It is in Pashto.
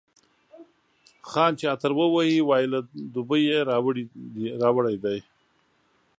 خان چي عطر ووهي، وايي له دوبۍ یې راوړی دی.